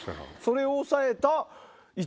それを抑えた１位。